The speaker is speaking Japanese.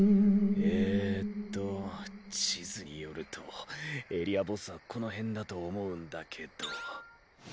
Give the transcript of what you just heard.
えっと地図によるとエリアボスはこの辺だと思うんだけど。